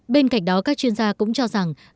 bên cạnh đó các chuyên gia cũng cho rằng